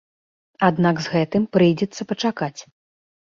Аднак з гэтым прыйдзецца пачакаць.